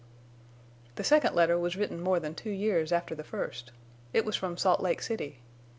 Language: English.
"The second letter was written more than two years after the first. It was from Salt Lake City.